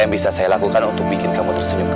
kami karier ke ke just spic dadah hidright